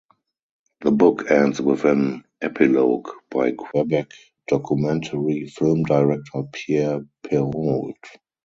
The book ends with an epilogue by Quebec documentary film director Pierre Perrault.